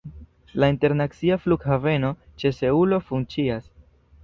La internacia flughaveno ĉe Seulo funkcias.